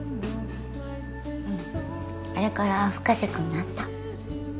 あれから深瀬君に会った？